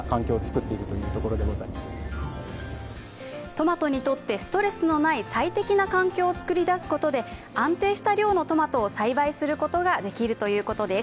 トマトにとってストレスのない最適な環境を作り出すことで、安定した量のトマトを栽培することができるということです。